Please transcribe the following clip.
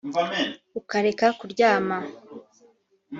ukareka kuryama